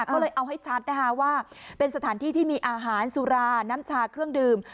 ก็เลยเอาให้ชัดนะคะว่าเป็นสถานที่ที่มีอาหารสุราน้ำชาเครื่องดื่ม